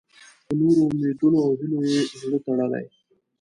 په نورو امیدونو او هیلو یې زړه تړلی.